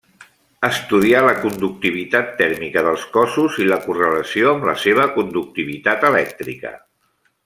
Estudià la conductivitat tèrmica dels cossos i la correlació amb la seva conductivitat elèctrica.